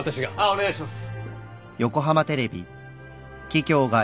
お願いします。